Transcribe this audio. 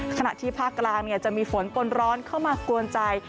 ขณะที่ภาคกลางจะมีฝนปนร้อนเข้ามากวนใจ